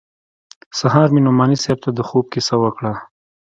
سهار مې نعماني صاحب ته د خوب کيسه وکړه.